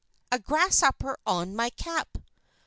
(A grasshopper on my cap!